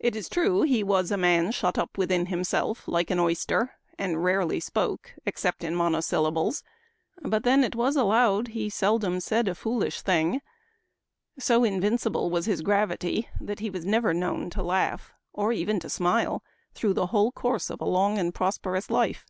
It is true he was a man shut up within himself, like an oyster, and rarely spoke except in monosyllables ; but then it was allowed he seldom said a foolish thing. So invincible was ' his gravity that he was never known to laugh, or even to smile, through the whole course of a long and prosperous life.